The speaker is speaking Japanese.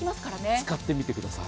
使ってみてください。